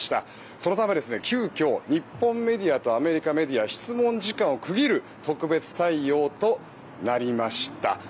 そのため、急きょ日本メディアとアメリカメディア質問時間を区切る特別対応となりました。